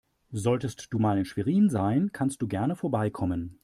Solltest du mal in Schwerin sein, kannst du gerne vorbeikommen.